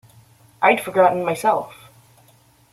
I’d forgotten myself.